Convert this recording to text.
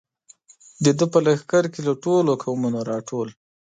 د ده په لښکر کې له ټولو قومونو را ټول.